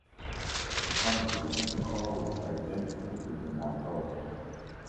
Mechanically the car was identical to the Mantara.